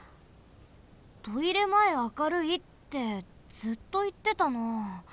「トイレまえ明るい」ってずっといってたな。